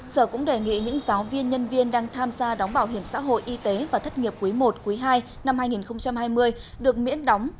sở cũng đề nghị những giáo viên nhân viên đang tham gia đóng bảo hiểm xã hội y tế và thất nghiệp quý i quý ii năm hai nghìn hai mươi được miễn đóng cả ba loại này